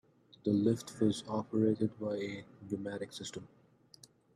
The lift was operated by a pneumatic system.